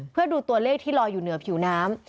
เพื่อดูตัวเลขที่ลอยอยู่เหนือผิวน้ำ